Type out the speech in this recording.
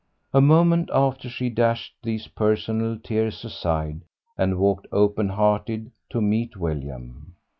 A moment after she dashed these personal tears aside and walked open hearted to meet William.